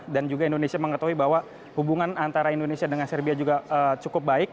dan juga indonesia mengetahui bahwa hubungan antara indonesia dengan serbia juga cukup baik